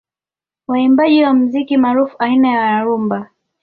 Waimbaji wa muziki maarufu aina ya na rumba